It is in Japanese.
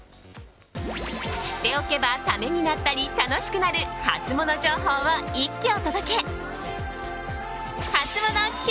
知っておけばためになったり楽しくなるハツモノ情報を一挙お届け。